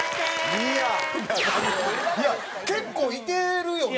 いやいや結構いてるよね。